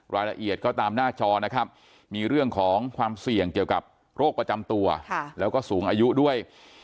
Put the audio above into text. รายละเอียดก็ตามหน้าจอนะครับมีเรื่องของความเสี่ยงเกี่ยวกับโรคประจำตัวแล้วก็สูงอายุด้วย